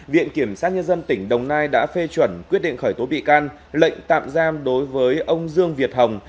viện kiểm sát nhân dân tỉnh đồng nai đã phê chuẩn quyết định khởi tố bị can lệnh tạm giam đối với ông dương việt hồng